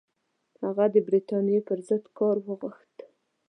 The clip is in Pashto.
هغه د برټانیې پر ضد کار وغوښت.